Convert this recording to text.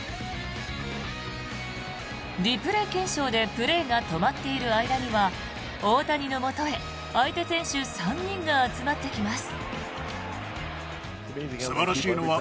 リプレー検証でプレーが止まっている間には大谷のもとへ相手選手３人が集まってきます。